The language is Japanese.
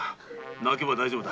泣ければ大丈夫だ。